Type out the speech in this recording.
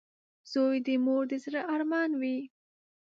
• زوی د مور د زړۀ ارمان وي.